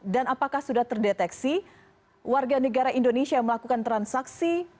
dan apakah sudah terdeteksi warga negara indonesia yang melakukan transaksi